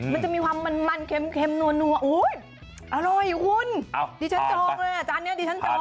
มันจะมีความมันเค็มอร่อยหรือคะคุณ